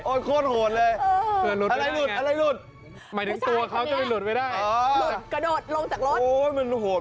โอ๊ยโคตรโหดเลย